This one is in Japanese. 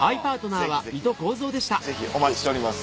ぜひぜひお待ちしております。